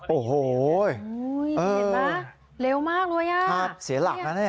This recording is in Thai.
โอ้โหเห็นไหมเร็วมากเลยอ่ะภาพเสียหลักนะเนี่ย